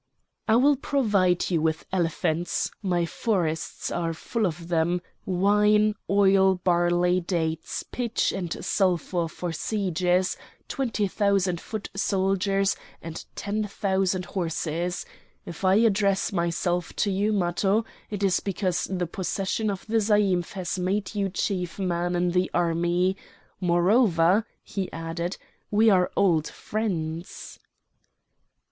"I will provide you with elephants (my forests are full of them), wine, oil, barley, dates, pitch and sulphur for sieges, twenty thousand foot soldiers and ten thousand horses. If I address myself to you, Matho, it is because the possession of the zaïmph has made you chief man in the army. Moreover," he added, "we are old friends."